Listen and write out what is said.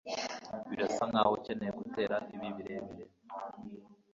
Birasa nkaho ukeneye guteka ibi birebire.